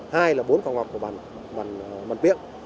hai là bốn phòng học của bàn biện